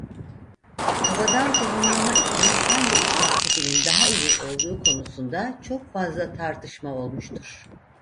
Havadan tohumlama için hangi uçak tipinin daha iyi olduğu konusunda çok fazla tartışma olmuştur.